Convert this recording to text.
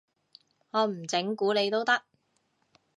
我唔整蠱你都得